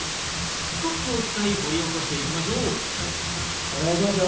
スコップを使い掘り起こしていきましょうお願いしますよ。